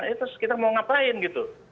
itu kita mau ngapain gitu